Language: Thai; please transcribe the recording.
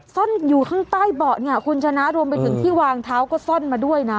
ซ่อนอยู่ข้างใต้เบาะเนี่ยคุณชนะรวมไปถึงที่วางเท้าก็ซ่อนมาด้วยนะ